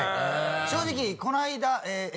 正直この間